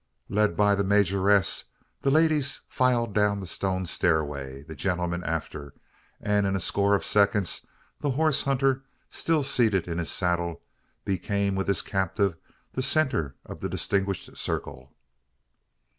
Led by the majoress, the ladies filed down the stone stairway the gentlemen after; and in a score of seconds the horse hunter, still seated in his saddle, became, with his captive, the centre of the distinguished circle.